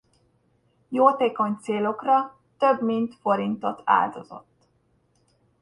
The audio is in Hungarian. Jótékony célokra több mint forintot áldozott.